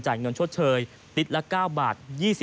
จ่ายเงินชดเชย๙๒๓บาท